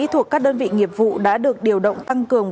thuộc các đơn vị nghiệp vụ đã được điều động tăng cường